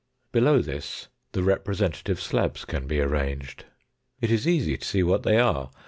Below this the representative slabs can be arranged. Jt is easy to see what they are.